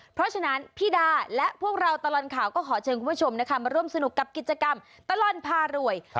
เพราะฉะนั้นพี่ดาและพวกเราตลอดข่าวก็ขอเชิญคุณผู้ชมนะคะมาร่วมสนุกกับกิจกรรมตลอดพารวย